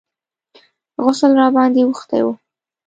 غسل راباندې اوښتى و.